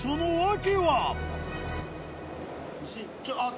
あっ。